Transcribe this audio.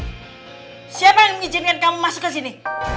keluar kamu dari sini